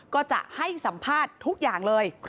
ก็จะให้สัมภาษณ์ทุกอย่างเลย